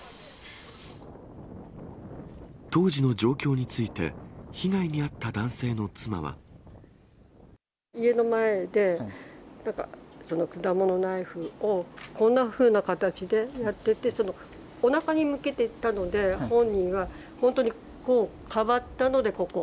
当時の状況について、被害に家の前で、なんか、果物ナイフをこんなふうな形でやってて、おなかに向けていたので、本人が本当にこう、かばったので、ここ。